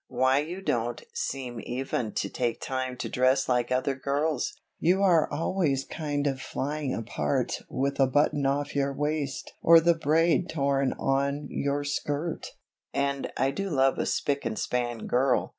Why you don't seem even to take time to dress like other girls, you are always kind of flying apart with a button off your waist or the braid torn on your skirt, and I do love a spick and span girl.